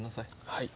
はい。